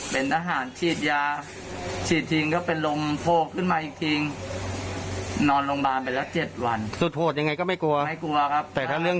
เป็นทหารฉีดยาฉีดทิงก็เป็นลมโพกขึ้นมาอีกทิง